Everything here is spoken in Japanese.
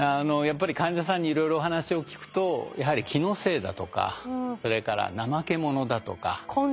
やっぱり患者さんにいろいろお話を聞くとやはり気のせいだとかそれから怠け者だとか。